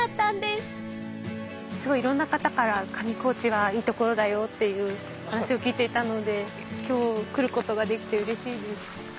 すごいいろんな方から「上高地はいい所だよ」っていう話を聞いていたので今日来ることができてうれしいです。